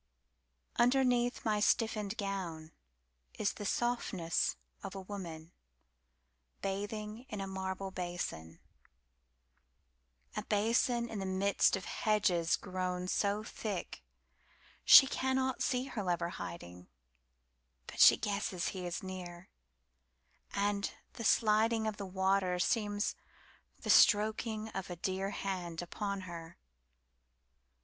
Underneath my stiffened gownIs the softness of a woman bathing in a marble basin,A basin in the midst of hedges grownSo thick, she cannot see her lover hiding, But she guesses he is near, And the sliding of the waterSeems the stroking of a dearHand upon her.